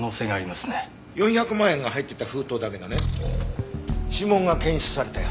４００万円が入ってた封筒だけどね指紋が検出されたよ。